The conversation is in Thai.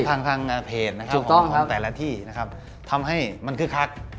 ทางเพจของแต่ละที่ทำให้มันคือคัก